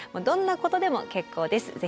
どんなことでも結構です。